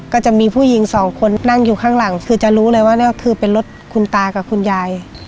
ก็จะมีผู้หญิงสองคนนั่งอยู่ข้างหลังคือจะรู้เลยว่านี่ก็คือเป็นรถคุณตากับคุณยาย